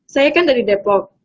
saya kan dari depok